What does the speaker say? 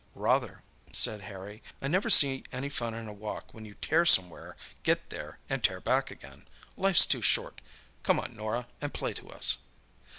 "Rather," said Harry. "I never see any fun in a walk when you tear somewhere, get there, and tear back again. Life's too short. Come on, Norah, and play to us."